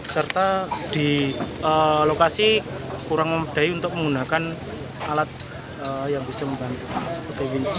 serta di lokasi kurang membedai untuk menggunakan alat yang bisa membantu